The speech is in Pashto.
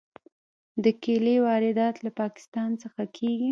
د کیلې واردات له پاکستان څخه کیږي.